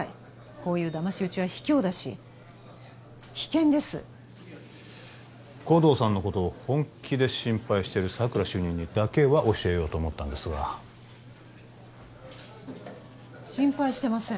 こういうだまし討ちは卑怯だし危険です護道さんのことを本気で心配している佐久良主任にだけは教えようと思ったんですが心配してません